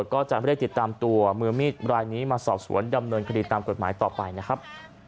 ก่อมือมีรายนี้มาสอบสวนดำเนินคดีตามกฎหมายต่อไปนะครับ